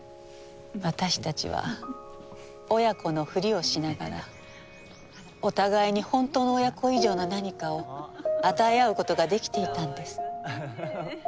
私たちは親子のふりをしながらお互いに本当の親子以上の何かを与え合う事ができていたんです。